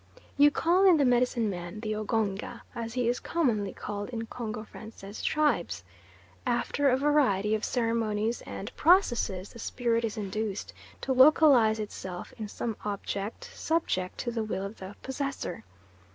You call in the medicine man, the "oganga," as he is commonly called in Congo Francais tribes. After a variety of ceremonies and processes, the spirit is induced to localise itself in some object subject to the will of the possessor.